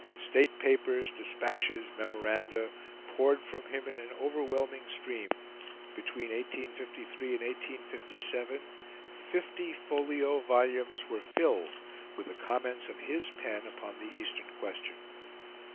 State papers, despatches, memoranda, poured from him in an overwhelming stream. Between 1853 and 1857 fifty folio volumes were filled with the comments of his pen upon the Eastern question.